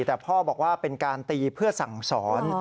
แต่พ่อบอกว่าเป็นการตีเพื่อสั่งสอน